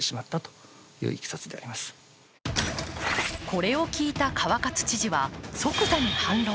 これを聞いた川勝知事は即座に反論。